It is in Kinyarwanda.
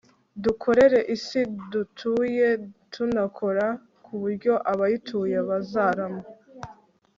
dukorere isi dutuye tunakora ku buryo abayituye bazarama